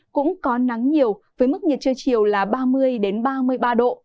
cũng có nắng nhiều với mức nhiệt trưa chiều là ba mươi ba mươi ba độ